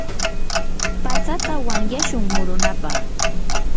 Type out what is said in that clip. patsata wanyashun murunapaq.